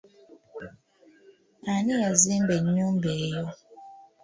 Ani yazimba ennyumba eyo?